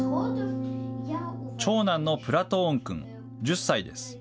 長男のプラトーン君１０歳です。